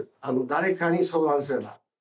誰かに相談すれば。